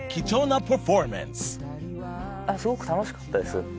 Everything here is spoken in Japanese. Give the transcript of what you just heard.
すごく楽しかったです。